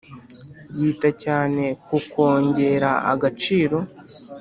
yita cyane ku kongera agaciro